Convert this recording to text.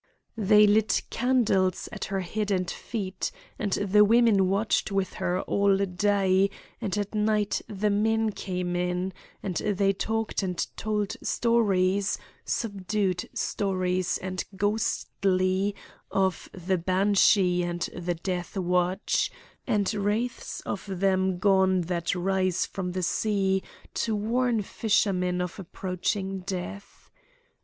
They lit candles at her head and feet, and the women watched with her all day, and at night the men came in, and they talked and told stories, subdued stories and ghostly, of the banshee and the death watch, and wraiths of them gone that rise from the sea to warn fishermen of approaching death.